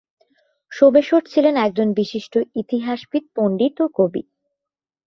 সোমেশ্বর ছিলেন একজন বিশিষ্ট ইতিহাসবিদ, পণ্ডিত ও কবি।